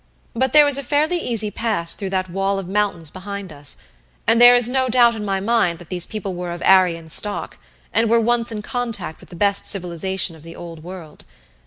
But there was a fairly easy pass through that wall of mountains behind us, and there is no doubt in my mind that these people were of Aryan stock, and were once in contact with the best civilization of the old world.